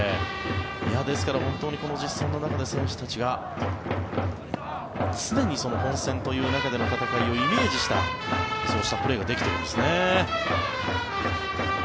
ですから、実戦の中で選手たちが常に本戦という中での戦いをイメージした、そうしたプレーができているんですね。